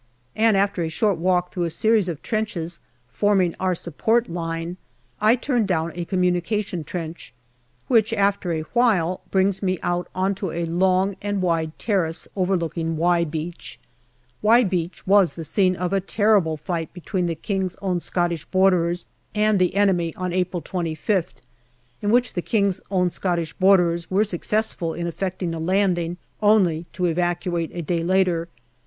And after a short walk through a series of trenches forming our support line, I turn down a communication trench, which after a while brings me out on to a long and wide terrace overlooking " Y " Beach. " Y " Beach was the scene of a terrible fight between the K.O.S.B.'s and the enemy on April 25th, in which the K.O.S.B.'s were successful in effecting a landing, only to evacuate a day after.